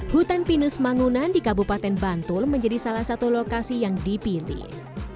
hutan pinus mangunan di kabupaten bantul menjadi salah satu lokasi yang dipilih